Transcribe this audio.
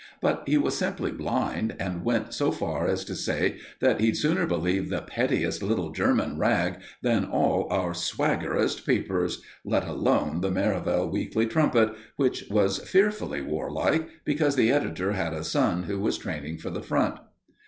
But he was simply blind, and went so far as to say that he'd sooner believe the pettiest little German rag than all our swaggerest papers, let alone the Merivale Weekly Trumpet, which was fearfully warlike, because the editor had a son who was training for the Front.